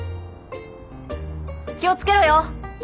気を付けろよ。